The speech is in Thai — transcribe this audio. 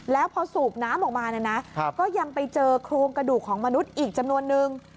แล้วพอสูบน้ำออกมาเนี่ยนะก็ยังไปเจอโครงกระดูกของมนุษย์อีกจำนวนนึง